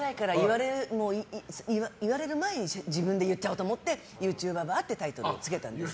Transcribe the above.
言われる前に自分で言っちゃおうと思って「ＹｏｕＴｕＢＢＡ！！」というタイトルをつけたんです。